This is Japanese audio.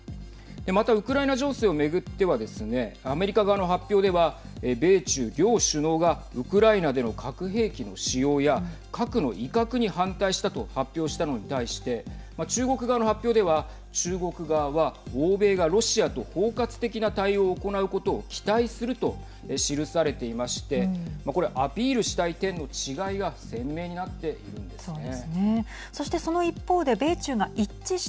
また、ウクライナ情勢を巡ってはですねアメリカ側の発表では米中両首脳がウクライナでの核兵器の使用や核の威嚇に反対したと発表したのに対して中国側の発表では、中国側は欧米がロシアと包括的な対話を行うことを期待すると記されていましてこれアピールしたい点の違いが鮮明になっているんですね。